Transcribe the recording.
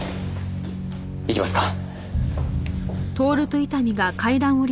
行きますか。